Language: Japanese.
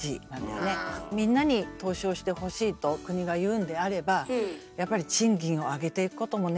みんなに投資をしてほしいと国が言うんであればやっぱり賃金を上げていくこともね